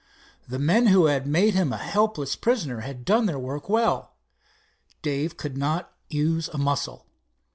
The men who had made him a helpless prisoner had done their work well. Dave could not use a muscle.